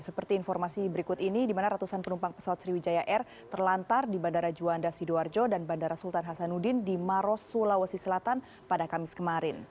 seperti informasi berikut ini di mana ratusan penumpang pesawat sriwijaya air terlantar di bandara juanda sidoarjo dan bandara sultan hasanuddin di maros sulawesi selatan pada kamis kemarin